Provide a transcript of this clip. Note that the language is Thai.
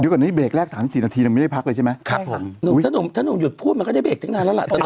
ก็เลยเพิ่มขึ้น